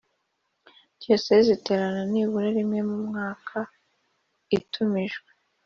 Diyosezi iterena nibura rimwe mu mwaka itumijwe